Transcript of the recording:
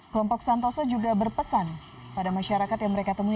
kelompok santoso juga berpesan pada masyarakat yang mereka temui